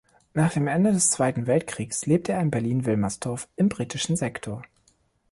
Nach dem Ende des Zweiten Weltkriegs lebte er in Berlin-Wilmersdorf im britischen Sektor.